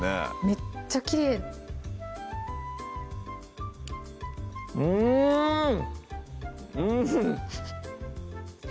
めっちゃきれいうんうん！